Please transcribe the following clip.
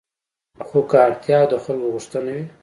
خو که اړتیا او د خلکو غوښتنه وي